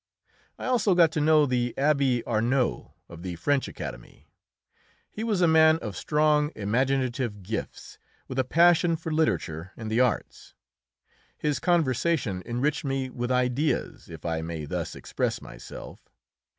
I also got to know the Abbé Arnault, of the French Academy. He was a man of strong imaginative gifts, with a passion for literature and the arts. His conversation enriched me with ideas, if I may thus express myself.